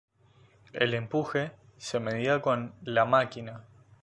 El empuje se medía con "la máquina".